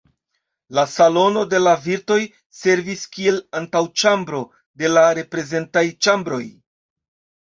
La Salono de la virtoj servis kiel antaŭĉambro al la reprezentaj ĉambroj.